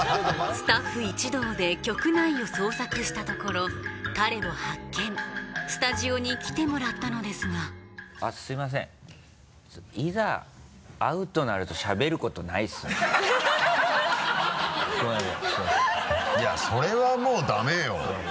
スタッフ一同で局内を捜索したところ彼を発見スタジオに来てもらったのですがいやそれはもうダメよ。